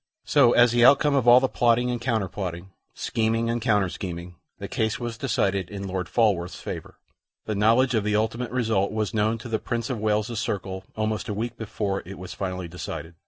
So, as the outcome of all the plotting and counter plotting, scheming and counter scheming, the case was decided in Lord Falworth's favor. The knowledge of the ultimate result was known to the Prince of Wales's circle almost a week before it was finally decided.